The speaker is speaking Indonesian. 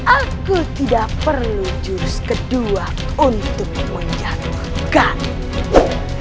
aku tidak perlu jurus kedua untuk menjatuhkan